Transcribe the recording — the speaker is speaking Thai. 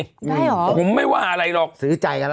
ไม่เหรอผมไม่ว่าอะไรหรอกซื้อใจกันแล้ว